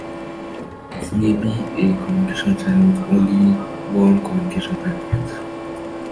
It may be a communication channel with only one communication endpoint.